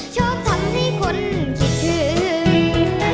ชอบทำให้คนคิดถึง